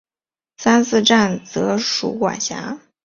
三次站则属管辖。